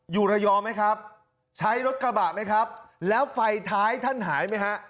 อยู่ระยองไหมครับใช้รถกระบะไหมครับแล้วไฟท้ายท่านหายไหมฮะ